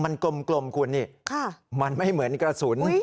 มันกลมคุณนี่มันไม่เหมือนกระสุน